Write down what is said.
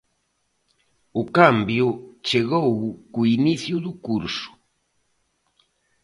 O cambio chegou co inicio do curso.